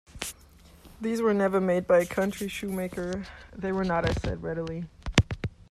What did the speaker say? “These were never made by a country shoemaker.” “They were not,” I said readily.